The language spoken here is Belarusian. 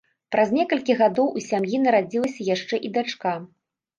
Праз некалькі гадоў у сям'і нарадзілася яшчэ і дачка.